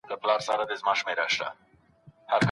ميرمنو له خپلي رضا څخه تر سفر مخکي رجوع وکړه؟